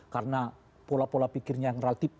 karena pola pola pikirnya yang relatif